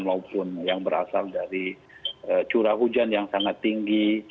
maupun yang berasal dari curah hujan yang sangat tinggi